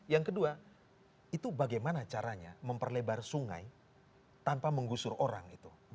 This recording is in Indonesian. yang kedua itu bagaimana caranya memperlebar sungai tanpa menggusur orang itu